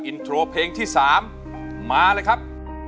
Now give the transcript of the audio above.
อินโทรเพลงที่๓มาเลยครับ